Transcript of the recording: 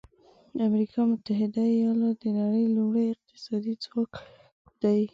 د امریکا متحده ایالات د نړۍ لومړی اقتصادي ځواک دی.